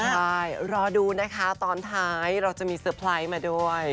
ใช่รอดูนะคะตอนท้ายเราจะมีเซอร์ไพรส์มาด้วย